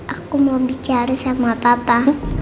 aku mau bicara sama papa